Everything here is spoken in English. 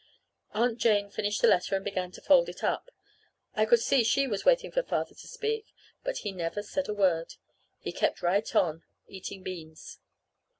Aunt Jane finished the letter and began to fold it up. I could see she was waiting for Father to speak; but he never said a word. He kept right on eating beans.